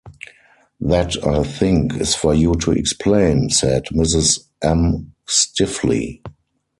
"That, I think, is for you to explain," said Mrs M. stiffly.